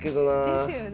ですよね。